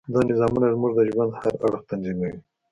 دا نظامونه زموږ د ژوند هر اړخ تنظیموي.